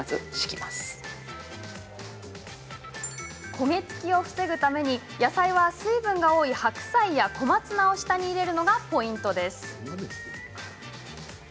焦げつきを防ぐために野菜は水分が多い白菜や小松菜を下に入れるのがポイントです。